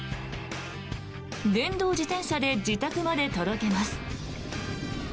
電動自転車で自宅まで届けます。